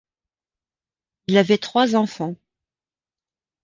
Il avait trois enfants.